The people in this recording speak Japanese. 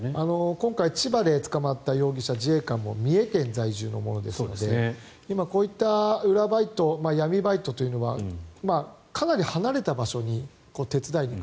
今回千葉で捕まった自衛官も三重県在住の人ですのでこういった裏バイト、闇バイトというのはかなり離れた場所に手伝いに行く。